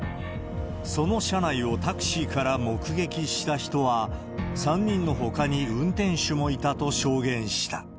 その車内をタクシーから目撃した人は、３人のほかに運転手もいたと証言した。